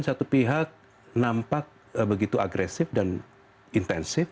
satu pihak nampak begitu agresif dan intensif